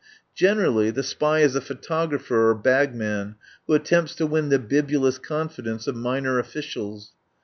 Generally the spy is a pho tographer or bagman who attempts to win the bibulous confidence of minor officials.